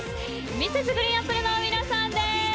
Ｍｒｓ．ＧＲＥＥＮＡＰＰＬＥの皆さんです。